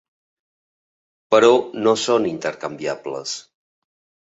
Però no són intercanviables.